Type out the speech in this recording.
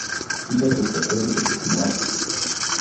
Скитай по света, докато си млад.